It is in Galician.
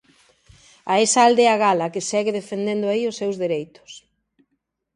A esa aldea gala que segue defendendo aí os seus dereitos.